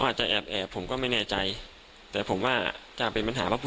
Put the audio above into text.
อาจจะแอบแอบผมก็ไม่แน่ใจแต่ผมว่าจะเป็นปัญหาผู้